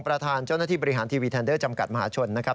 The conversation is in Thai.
ประธานเจ้าหน้าที่บริหารทีวีแทนเดอร์จำกัดมหาชนนะครับ